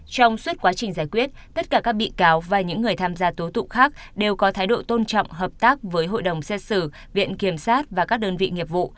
trong suốt quá trình giải quyết tất cả các bị cáo và những người tham gia tố tụng khác đều có thái độ tôn trọng hợp tác với hội đồng xét xử viện kiểm sát và các đơn vị nghiệp vụ